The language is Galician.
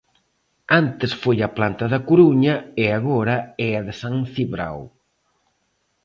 Antes foi a planta da Coruña e agora é a de San Cibrao.